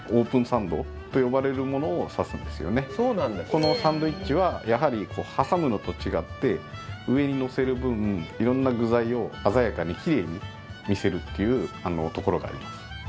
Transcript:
このサンドイッチはやはり挟むのと違って上にのせる分いろんな具材を鮮やかにきれいに見せるっていうところがあります。